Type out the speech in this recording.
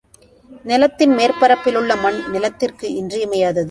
நிலத்தின் மேற்பரப்பிலுள்ள மண் நிலத்திற்கு இன்றியமையாதது.